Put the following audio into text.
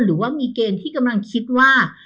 หรือว่ามีเกณฑ์ที่กำลังคิดว่า